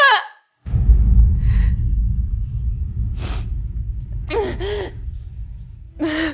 sok dorm tanpaturin